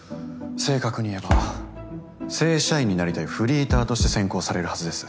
正確に言えば正社員になりたいフリーターとして選考されるはずです。